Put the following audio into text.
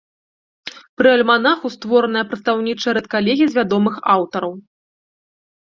Пры альманаху створаная прадстаўнічая рэдкалегія з вядомых аўтараў.